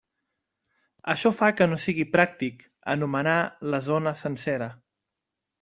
Això fa que no sigui pràctic enumerar la zona sencera.